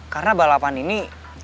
karena balapan ini